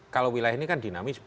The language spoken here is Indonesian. kalau wilayah ini kan dinamis